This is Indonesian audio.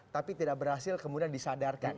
tapi tidak berhasil kemudian disadarkan